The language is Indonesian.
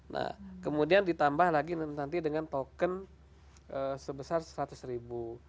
nah kemudian ditambah lagi nanti dengan token sebesar seratus ribu